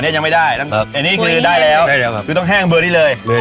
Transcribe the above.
ยังไม่ได้อันนี้คือได้แล้วได้แล้วครับคือต้องแห้งเบอร์นี้เลย